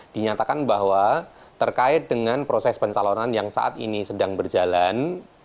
dinyatakan bahwa terkait dengan proses pencalonan yang saat ini sedang berjalan